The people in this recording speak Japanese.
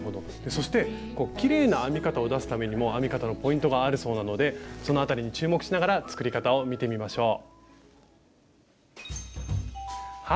そしてきれいな編み方を出すためにも編み方のポイントがあるそうなのでそのあたりに注目しながら作り方を見てみましょう。